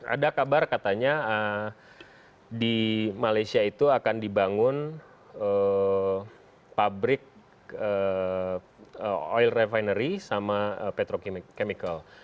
ada kabar katanya di malaysia itu akan dibangun pabrik oil refinery sama petrochemical